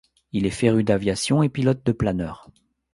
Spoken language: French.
Il est féru d’aviation et pilote de planeur.